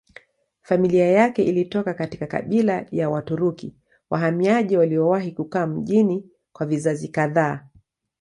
Familia yake ilitoka katika kabila ya Waturuki wahamiaji waliowahi kukaa mjini kwa vizazi kadhaa.